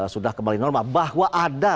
sudah kembali normal bahwa ada